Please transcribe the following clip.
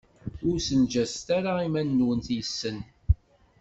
Ur ssenǧaset ara iman-nwen yes-sen.